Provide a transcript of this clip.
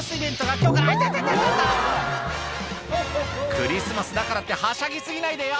クリスマスだからってはしゃぎ過ぎないでよ